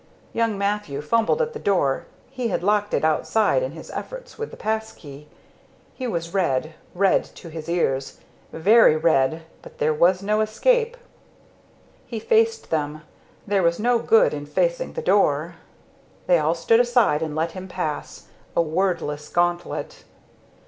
Young Mathew fumbled at the door. He had locked it outside in his efforts with the pass key. He was red, red to his ears very red, but there was no escape. He faced them there was no good in facing the door. They all stood aside and let him pass a wordless gauntlet.